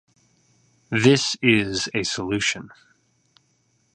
This is a solution.